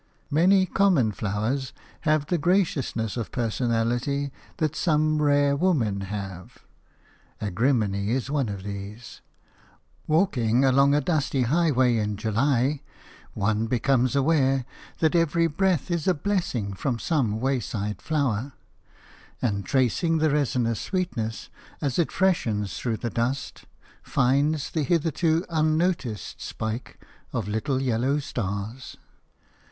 Many common flowers have the graciousness of personality that some rare women have. Agrimony is one of these. Walking along a dusty highway in July, one becomes aware that every breath is a blessing from some wayside flower; and tracing the resinous sweetness as it freshens through the dust, finds the hitherto unnoticed spike of little yellow stars.